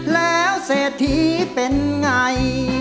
แล้วเศรษฐีเป็นไง